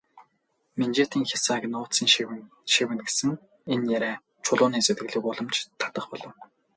Минжээтийн хясааны нууцыг шивгэнэсэн энэ яриа Чулууны сэтгэлийг улам ч их татах болов.